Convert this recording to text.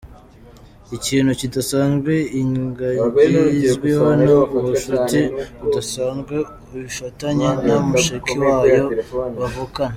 Ikintu kidasanzwe iy ngagi izwiho, ni ubucuti budasanzwe ifitanye na mushiki wayo bavukana.